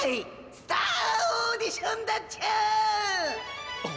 スターオーディションだっチュン！」。